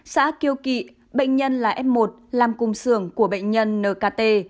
xã kiều kỵ bệnh nhân là f một làm cùng xưởng của bệnh nhân nkt